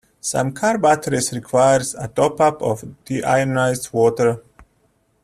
Some Car batteries require a top-up of deionized water.